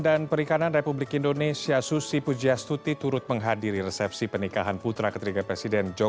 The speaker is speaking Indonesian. dan kita masih teani dia memiliki siapa pun barengannya